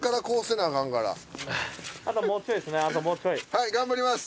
はい頑張ります。